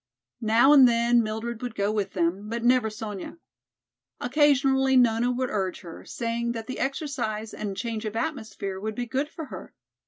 Now and then Mildred would go with them, but never Sonya. Occasionally Nona would urge her, saying that the exercise and change of atmosphere would be good for her.